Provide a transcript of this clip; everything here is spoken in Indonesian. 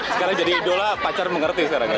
sekarang jadi idola pacar mengerti sekarang ya